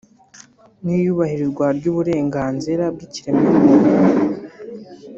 n’iyubahirzwa ry’uburenganzira bw’ikiremwa-muntu